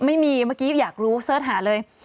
เมื่อกี้อยากรู้เสิร์ชหาเลย